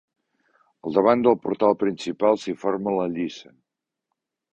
Al davant del portal principal s'hi forma la lliça.